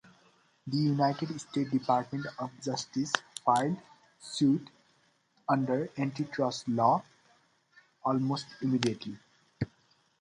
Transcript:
The United States Department of Justice filed suit under antitrust laws almost immediately.